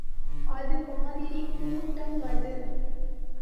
அது மாதிரி கூட்டம் அது.